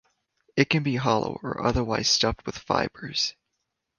It can be hollow or otherwise stuffed with fibres.